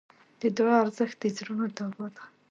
د دعا ارزښت د زړونو دوا ده.